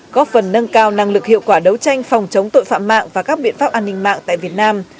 góp phần nâng cao năng lực hiệu quả đấu tranh phòng chống tội phạm mạng và các biện pháp an ninh mạng tại việt nam